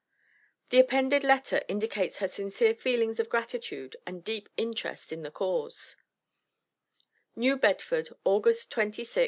The appended letter indicates her sincere feelings of gratitude and deep interest in the cause NEW BEDFORD, August 26, 1855.